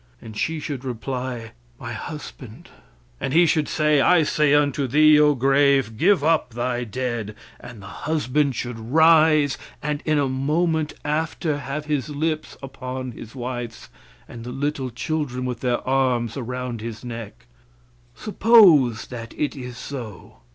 and she should reply, "My husband," and he should say, "I say unto thee, oh grave, give up thy dead," and the husband should rise and in a moment after have his lips upon his wife's, and the little children with their arms around his neck. Suppose that it is so.